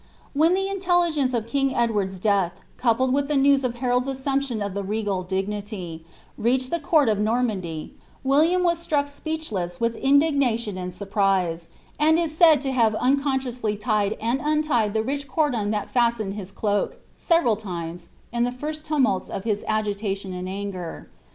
When the intelligence of king Edward^s death, coupled with the news of Harold's assumption of the regal dignity, reached the court of Nor mandy, William was struck speechless with indignation and surprise, and is said to have unconsciously tied and untied the rich cordon that fast ened his cloak, several times, in the first tumults of his agitation and anger.'